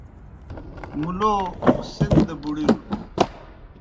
مُلو سِن دہ بُڑِیلوْ۔